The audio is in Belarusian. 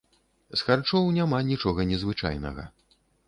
З харчоў няма нічога незвычайнага.